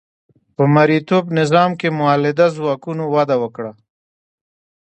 په مرئیتوب نظام کې مؤلده ځواکونو وده وکړه.